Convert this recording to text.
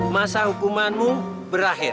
masa hukumanmu berakhir